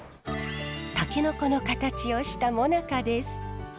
タケノコの形をしたもなかです。